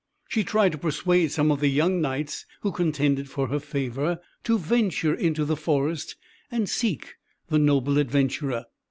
She tried to persuade some of the young knights who contended for her favour, to venture into the forest and seek for the noble adventurer.